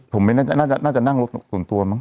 ผมไม่น่าจะนั่งรถส่วนตัวมั้